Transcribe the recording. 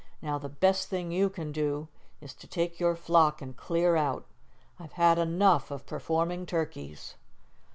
"Now, the best thing you can do is to take your flock and clear out. I've had enough of performing turkeys."